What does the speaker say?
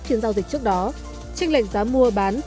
trên giao dịch trước đó trách lệnh giá mua bán